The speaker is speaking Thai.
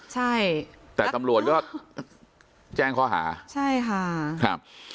ใช่แต่ตำรวจก็แจ้งเขาอะใช่ค่ะ